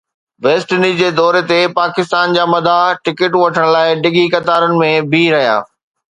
west Indies جي دوري تي پاڪستان جا مداح ٽڪيٽون وٺڻ لاءِ ڊگهين قطارن ۾ بيهي رهيا